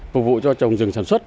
phục vụ cho trồng rừng sản xuất